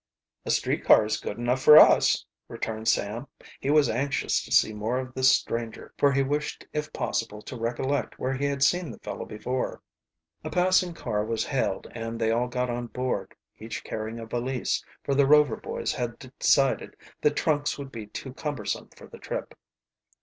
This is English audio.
"A street car is good enough for us," returned Sam. He was anxious to see more of the stranger, for he wished if possible to recollect where he had seen the fellow before. A passing car was hailed and they all got on board, each carrying a valise, for the Rover boys had decided that trunks would be too cumbersome for the trip.